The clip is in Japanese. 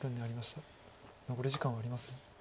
残り時間はありません。